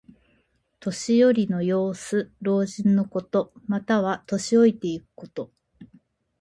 年寄りの様子。老人のこと。または、年老いていくこと。